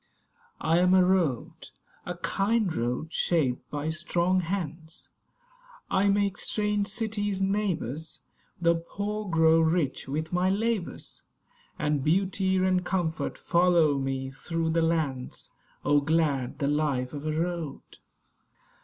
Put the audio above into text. I am a Road; a kind road, shaped by strong hands. I make strange cities neighbours; The poor grow rich with my labours, And beauty and comfort follow me through the lands. Oh, glad the life of a Road!